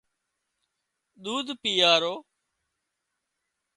ۮوڌ پيئارو